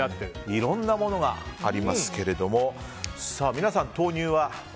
いろんなものがありますが皆さん、豆乳は？